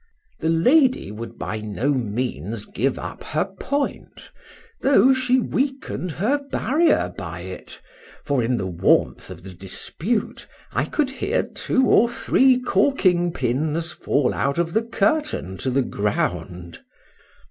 The lady would by no means give up her point, though she weaken'd her barrier by it; for in the warmth of the dispute, I could hear two or three corking pins fall out of the curtain to the ground.